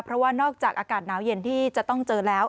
เพราะว่านอกจากอากาศหนาวเย็นที่จะต้องเจอแล้ว